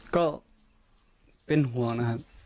ก็เป็นห่วงนะครับ